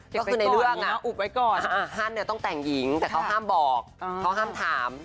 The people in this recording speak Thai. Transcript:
ก็คือในเรื่องนะอุบไว้ก่อนท่านต้องแต่งหญิงแต่เขาห้ามบอกเขาห้ามถาม